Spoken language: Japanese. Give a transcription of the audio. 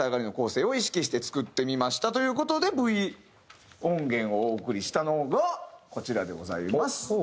という事でＶ音源をお送りしたのがこちらでございます。